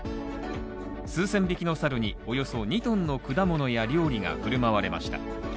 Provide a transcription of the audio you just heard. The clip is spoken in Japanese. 数千匹のサルにおよそ２ｔの果物や料理が振る舞われました。